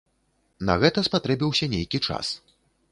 На гэта спатрэбіўся нейкі час.